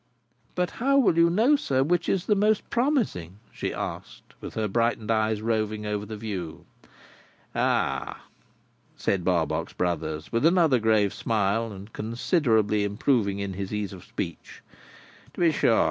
"But how will you know, sir, which is the most promising?" she asked, with her brightened eyes roving over the view. "Ah!" said Barbox Brothers, with another grave smile, and considerably improving in his ease of speech. "To be sure.